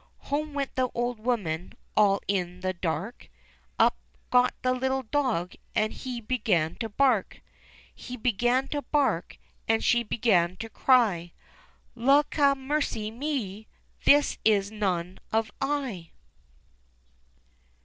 Home went the old woman, all in the dark ; Up got the little dog, and he began to bark, He began to bark, and she began to cry —Lawkamercyme ! this is none of I